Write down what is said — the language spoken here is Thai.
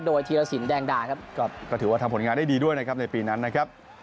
โดยธีรสินแดงดาครับก็ถือว่าทำผลงานได้ดีด้วยนะครับในปีนั้นนะครับ